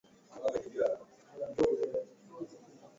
Njaa iliwaadhiri yatima wale.